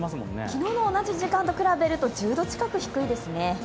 昨日の同じ時間と比べると１０度近く低いですね。